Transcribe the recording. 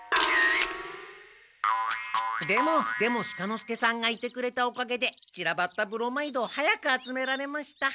でも出茂鹿之介さんがいてくれたおかげでちらばったブロマイドを早く集められました。